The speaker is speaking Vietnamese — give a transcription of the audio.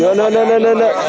chưa thổi đâu anh